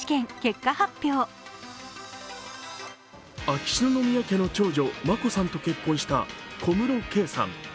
秋篠宮家の長女、眞子さんと結婚した小室圭さん。